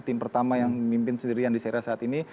tim pertama yang memimpin sendiri yang di serie a saat ini